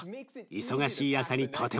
忙しい朝にとても便利！